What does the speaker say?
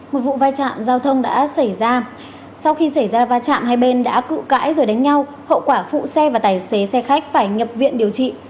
một vụ vai trạm giao thông đã xảy ra sau khi xảy ra va chạm hai bên đã cự cãi rồi đánh nhau hậu quả phụ xe và tài xế xe khách phải nhập viện điều trị